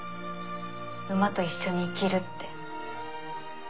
馬と一緒に生きるって。